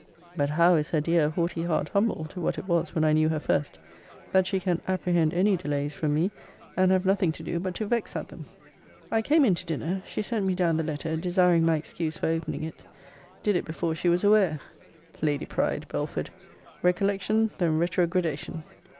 But how is her dear haughty heart humbled to what it was when I knew her first, that she can apprehend any delays from me; and have nothing to do but to vex at them! I came in to dinner. She sent me down the letter, desiring my excuse for opening it. Did it before she was aware. Lady pride, Belford! recollection, then retrogradation!